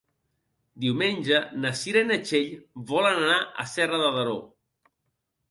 Diumenge na Cira i na Txell volen anar a Serra de Daró.